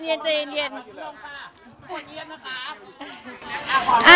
ขอเรียนนะคะ